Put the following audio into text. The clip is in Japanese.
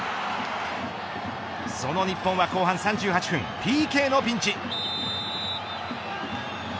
その日本は後半３８分ＰＫのピンチ。